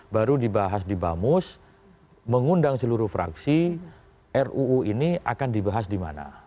baru dibahas di bamus mengundang seluruh fraksi ruu ini akan dibahas di mana